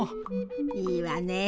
いいわね。